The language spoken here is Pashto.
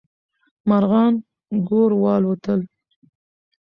مارغان ګور والوتل.